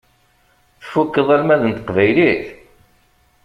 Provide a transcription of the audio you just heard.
Tfukkeḍ almad n teqbaylit?